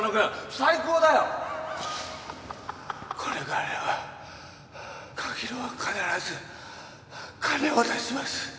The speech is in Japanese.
これがあれば柿野は必ず金を出します。